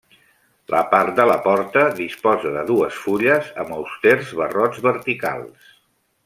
La part de la porta disposa de dues fulles amb austers barrots verticals.